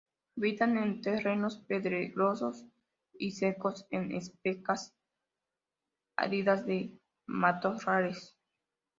Habitan en terrenos pedregosos y secos en estepas áridas de matorrales.